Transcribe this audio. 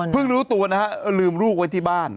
รู้ตัวนะฮะลืมลูกไว้ที่บ้าน